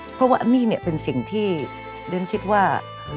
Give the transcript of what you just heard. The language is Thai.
เพราะว่านี่เป็นสิ่งที่เดินคิดว่า